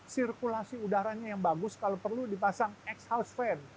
sirkulasi udaranya yang bagus kalau perlu dipasang x house fair